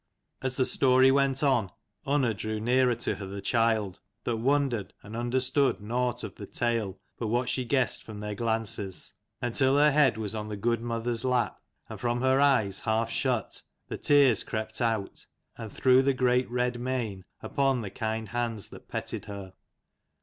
As the story went on, Unna drew nearer to her the child, that wondered, and understood nought of the tale but what she guessed from their glances : until her head was on the good mother's lap, and from her eyes, half shut, the tears crept out, and through the great red mane, upon the kind hands that petted her.